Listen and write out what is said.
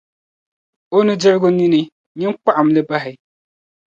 a nudirigu nini; nyin kpɔɣim li bahi.